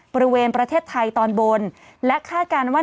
ประเทศไทยตอนบนและคาดการณ์ว่า